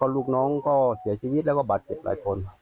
ลูกน้องก็เสียชีวิตแล้วก็บาดเจ็บหลายคน